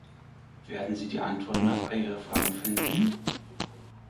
Werden sie die Antworten auf all ihre Fragen finden?